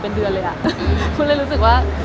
เหมือนกับเรา